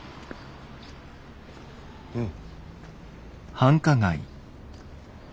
うん。